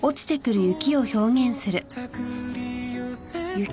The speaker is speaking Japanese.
雪？